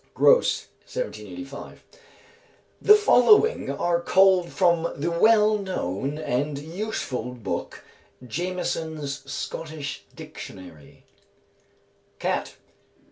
GROSE, 1785. The following are culled from the well known and useful book, Jamieson's "Scottish Dictionary": _Cat.